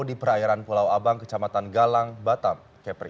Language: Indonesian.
di perairan pulau abang kecamatan galang batam kepri